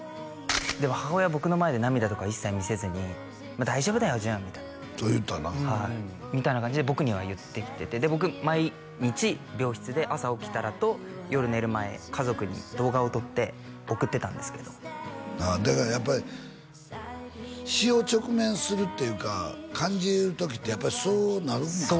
でも母親僕の前で涙とか一切見せずに「大丈夫だよ淳」みたいなそう言うてたなはいみたいな感じで僕には言ってきてて僕毎日病室で朝起きたらと夜寝る前家族に動画を撮って送ってたんですけどああだからやっぱり死を直面するっていうか感じる時ってやっぱりそうなるんかな？